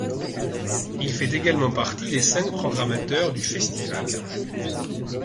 Il fait également partie des cinq programmateurs du festival.